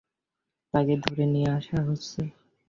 তাকে ধরে নিয়ে আসা হচ্ছে।